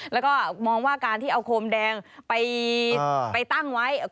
แล้วก็มองว่าการที่เอาโคมแดงไปตั้งไว้